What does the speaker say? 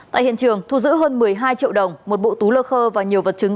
tại hiện trường thu giữ hơn một mươi hai triệu đồng một bộ túi lơ khơ và nhiều vật chứng